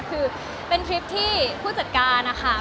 คือเป็นทริปที่ผู้จัดการนะคะ